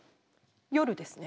夜ですね。